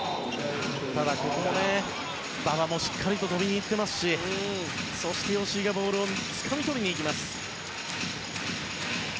馬場もしっかりとりに行っていますしそして吉井がボールをつかみ取りに行きました。